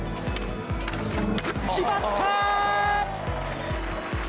決まった！